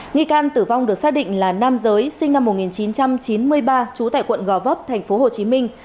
nghi can tử vong được xác định là nam giới sinh năm một nghìn chín trăm chín mươi ba chú tại quận gò vấp tp hồ chí minh